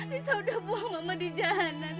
nisa udah buang mama di jalanan